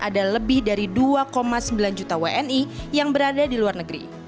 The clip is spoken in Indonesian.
ada lebih dari dua sembilan juta wni yang berada di luar negeri